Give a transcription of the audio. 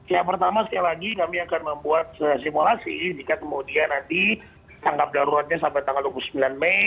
ya pertama sekali lagi kami akan membuat simulasi jika kemudian nanti tanggap daruratnya sampai tanggal dua puluh sembilan mei